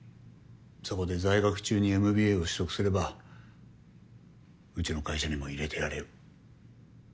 そこで在学中にＭＢＡを取得すればうちの会社にも入れてやれる。